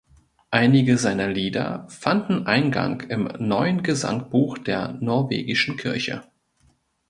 Einige seiner Lieder fanden Eingang im neuen Gesangbuch der Norwegischen Kirche.